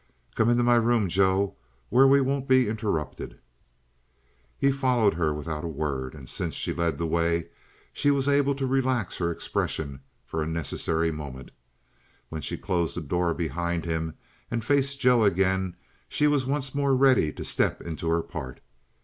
"Come into my room, Joe, where we won't be interrupted." He followed her without a word, and since she led the way she was able to relax her expression for a necessary moment. When she closed the door behind him and faced Joe again she was once more ready to step into her part.